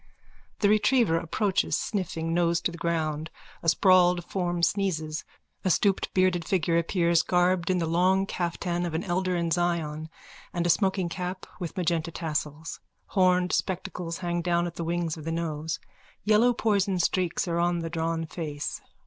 _(The retriever approaches sniffing, nose to the ground. A sprawled form sneezes. A stooped bearded figure appears garbed in the long caftan of an elder in Zion and a smokingcap with magenta tassels. Horned spectacles hang down at the wings of the nose. Yellow poison streaks are on the drawn face.)